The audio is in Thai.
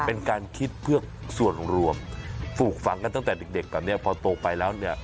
เป็นการคิดเพื่อส่วนรวมปลูกฝังกันตั้งแต่เด็กแบบนี้พอโตไปแล้วเนี่ย